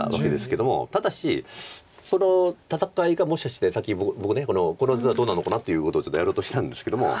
ただしその戦いがもしかしてさっき僕この図はどうなのかなということをちょっとやろうとしたんですけども。